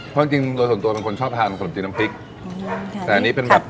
เพราะจริงจริงโดยส่วนตัวเป็นคนชอบทานขนมจีนน้ำพริกแต่อันนี้เป็นแบบ